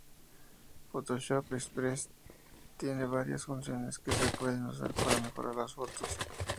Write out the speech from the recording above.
Photoshop Express tiene varias funciones que se pueden usar para mejorar las fotos.